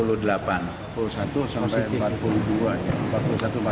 rp empat puluh satu sampai rp empat puluh dua